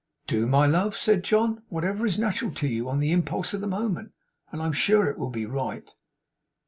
'Do, my love,' said John, 'whatever is natural to you on the impulse of the moment, and I am sure it will be right.